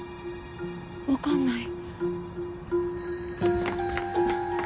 わかんない。